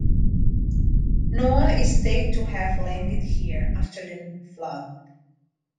Noah is said to have landed here after the Flood.